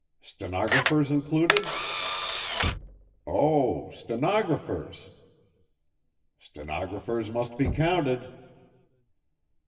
"Stenographers included?" "Oh, stenographers!" "Stenographers must be counted."